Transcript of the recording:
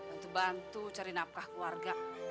untuk bantu cari napkah keluarga